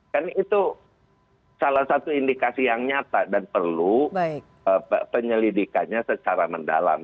kan itu salah satu indikasi yang nyata dan perlu penyelidikannya secara mendalam